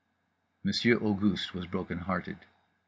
—Monsieur Auguste was broken hearted.